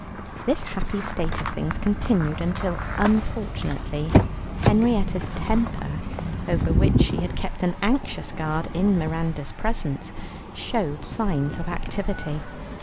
This happy state of things continued until unfortunately Henrietta's temper, over which she had kept an anxious guard in Miranda's presence, showed signs of activity.